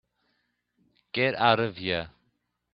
Get out of here.